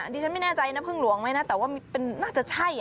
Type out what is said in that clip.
ดิฉันไม่แน่ใจนะพึ่งหลวงไหมนะแต่ว่าน่าจะใช่